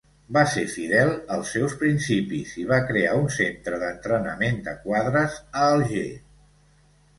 Va ser fidel als seus principis i va crear un centre d'entrenament de quadres a Alger.